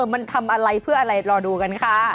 มันทำอะไรเพื่ออะไรรอดูกันค่ะ